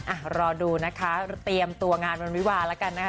อ่ะรอดูนะคะเตรียมตัวงานวันวิวาแล้วกันนะคะ